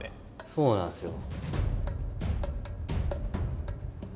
そうなんですよ。